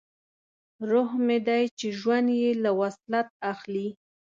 روح مې دی چې ژوند یې له وصلت اخلي